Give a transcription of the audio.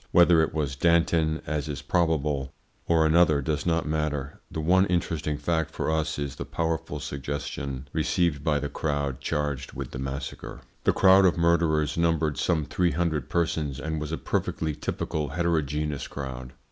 Whether it was Danton, as is probable, or another does not matter; the one interesting fact for us is the powerful suggestion received by the crowd charged with the massacre. The crowd of murderers numbered some three hundred persons, and was a perfectly typical heterogeneous crowd.